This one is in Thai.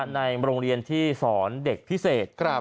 ในโรงเรียนที่สอนเด็กพิเศษ